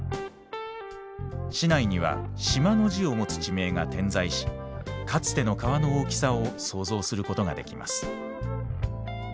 市内には「島」の字を持つ地名が点在しかつての川の大きさを想像することができます。